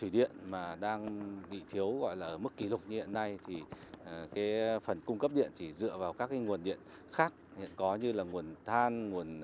để đảm bảo phần cung cấp điện cho sau năm